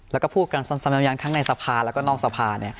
แล้วก็พูดกันซ้ำยังทั้งในสภาแล้วก็นอกสภา